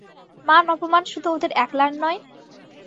মান-অপমান শুধু ওদের একলার নয়?